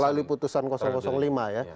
melalui putusan lima ya